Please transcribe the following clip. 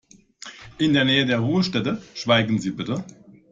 In der Nähe der Ruhestätte schweigen Sie bitte.